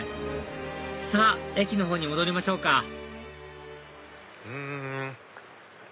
さぁ駅の方に戻りましょうかふん。